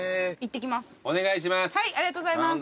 お願いします。